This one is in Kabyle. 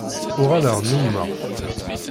Uɣaleɣ nnumeɣ-t.